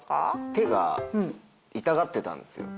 手痛がってたんです。